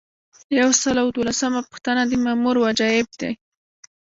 یو سل او دولسمه پوښتنه د مامور وجایب دي.